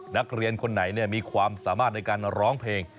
นักเรียนคนไหนมีความสามารถในการร้องเพลง